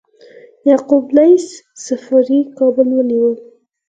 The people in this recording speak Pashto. یعقوب لیث صفاري کابل ونیو